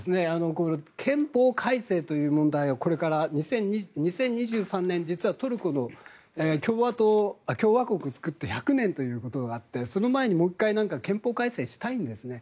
憲法改正という問題がこれから、２０２３年実はトルコの共和国を作って１００年ということがあってその前にもう１回憲法改正したいんですね。